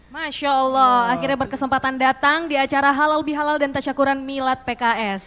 masya allah akhirnya berkesempatan datang di acara halal bihalal dan tasyakuran milad pks